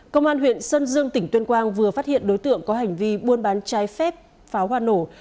công an huyện sơn dương tỉnh tuyên quang vừa phát hiện đối tượng có hành vi buôn bán trái phép pháo hoa nổ